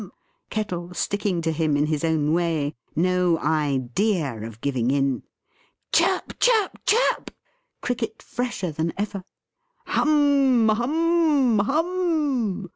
Kettle sticking to him in his own way; no idea of giving in. Chirp, chirp, chirp! Cricket fresher than ever. Hum, hum, hum m m!